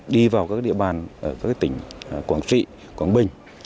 đi vào các địa bàn ở các tỉnh quảng trị quảng bình